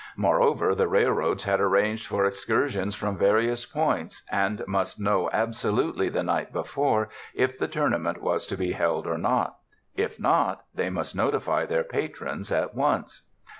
Moreover, the railroads had arranged for excur sions from various points, and must know abso lutely the night before if the Tournament was to be held or not. If not, they must notify their patrons at once.